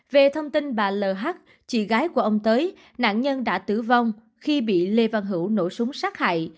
về thông tin bà l chị gái của ông tới nạn nhân đã tử vong khi bị lê văn hữu nổ súng sát hại